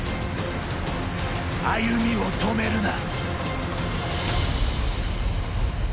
歩みを止めるな。